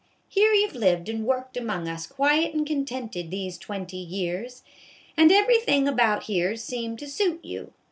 Here you've lived and worked among us quiet and contented these twenty years, and every thin' about here 's seemed to suit you.